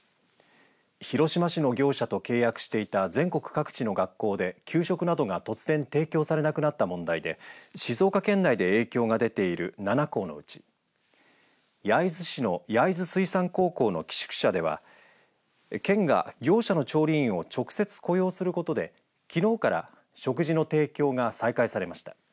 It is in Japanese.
広島市の業者と契約していた全国各地の学校で給食などが突然提供されなくなった問題で静岡県内で影響が出ている７校のうち焼津市の焼津水産高校の寄宿舎では県が業者の調理員を直接雇用することできのうから食事の提供が再開されました。